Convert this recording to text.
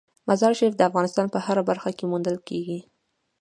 مزارشریف د افغانستان په هره برخه کې موندل کېږي.